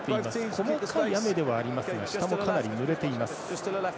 細かい雨ではありますが下もかなりぬれています。